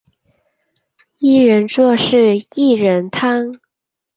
一人做事薏仁湯